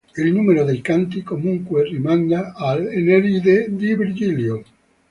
Il numero dei canti, comunque, rimanda all"'Eneide" di Virgilio.